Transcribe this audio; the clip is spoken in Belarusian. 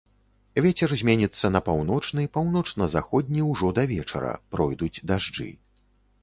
Вецер зменіцца на паўночны, паўночна-заходні ўжо да вечара, пройдуць дажджы.